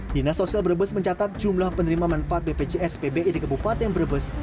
dinas sosial brebes mencatat jumlah penerima manfaat bpjs pbi di kabupaten brebes